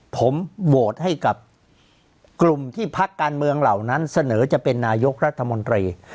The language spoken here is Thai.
ผมโหวตให้กับกลุ่มที่พักการเมืองเหล่านั้นเสนอจะเป็นนายกรัฐมนตรี